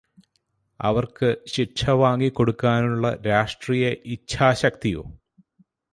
അവര്ക്കു ശിക്ഷ വാങ്ങി കൊടുക്കാനുള്ള രാഷ്ട്രീയ ഇച്ഛാശക്തിയോ